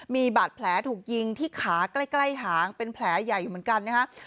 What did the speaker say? มีบาดแผลถูกยิงที่ขาใกล้หางเป็นแผลใหญ่อยู่เหมือนกันนะครับ